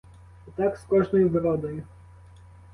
І так з кожною вродою.